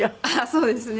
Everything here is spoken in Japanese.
そうですね。